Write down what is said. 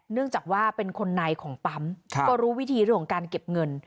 เนื่องจากว่าเป็นคนในของปั๊มก็รู้วิธีเรื่องของการเก็บเงิน